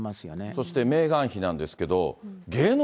そしてメーガン妃なんですけれども。